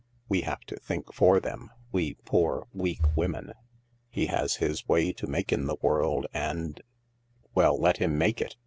We have to think for them, we poor, weak women. He has his way to make in the world, and "" Well, let him make it